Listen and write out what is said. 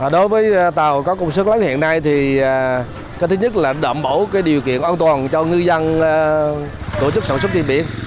đối với tàu có công suất lớn hiện nay thì cái thứ nhất là đậm bổ điều kiện an toàn cho ngư dân tổ chức sản xuất thiên biệt